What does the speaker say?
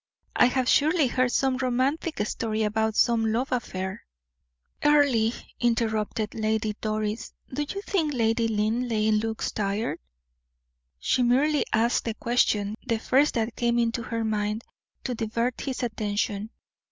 I have surely heard some romantic story about some love affair." "Earle," interrupted Lady Doris, "do you think Lady Linleigh looks tired?" She merely asked the question, the first that came into her mind, to divert his attention.